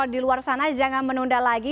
di luar sana jangan menunda lagi